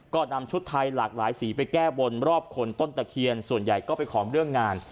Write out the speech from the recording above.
ก็นำชุดไทยหลากหลายสีไปแก้บนรอบคนต้นตะเคียนส่วนใหญ่ก็ไปขอเรื่องงาน